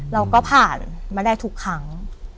เราก็ผ่านมาได้ทุกครั้ง